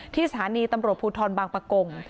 สถานีตำรวจภูทรบางปะกง